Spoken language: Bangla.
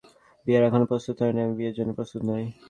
তবে আমি এখনও প্রস্তুত নই, আমি বিয়ের জন্য প্রস্তুত নই।